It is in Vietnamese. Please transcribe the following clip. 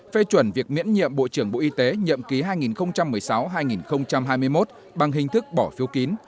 phê chuẩn việc miễn nhiệm bộ trưởng bộ y tế nhậm ký hai nghìn một mươi sáu hai nghìn hai mươi một bằng hình thức bỏ phiếu kín